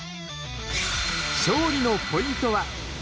勝利のポイントは。